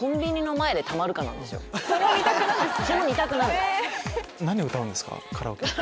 その２択なんですね。